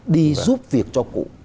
đi giúp việc cho cụ